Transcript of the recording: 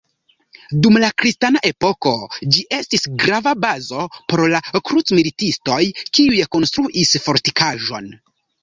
Dum la kristana epoko, ĝi estis grava bazo por la krucmilitistoj, kiuj konstruis fortikaĵon.